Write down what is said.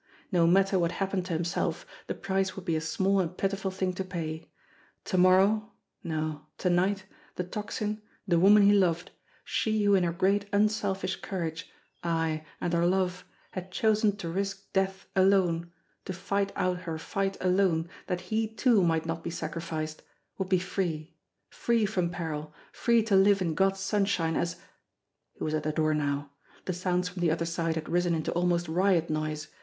No matter what happened to himself, the price would be a small and pitiful thing to pay. To morrow, no, to night, the Tocsin, the woman he loved, she who in her great unselfish courage, aye and her love, had chosen to risk death alone, to fight out her fight alone that he too might not be sacrificed, would be free, free from peril, free to live in God's sunshine as He was at the door now. The sounds from the other side had risen into almost riot noise.